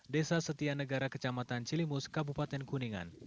desa setia negara kecamatan cilimus kabupaten kuningan